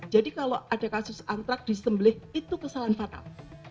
jadi kalau ada kasus antraks di sembelik itu kesalahan fatal